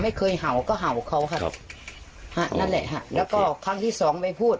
ไม่เคยเหาะก็เหาะครับครับฮะนั่นแหละค่ะแล้วก็ครั้งที่สองไปพูด